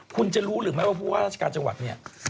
คุณจะรู้หรือไม่ว่าผู้ว่าราชการจังหวัดเนี่ย